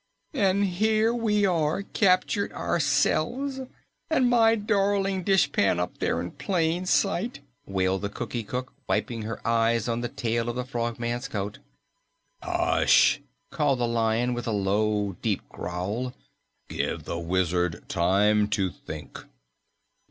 "And here we are, captured ourselves, and my darling dishpan up there in plain sight!" wailed the Cookie Cook, wiping her eyes on the tail of the Frogman's coat. "Hush!" called the Lion with a low, deep growl. "Give the Wizard time to think."